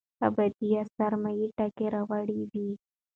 ابدي يا سرمدي ټکي راوړي وے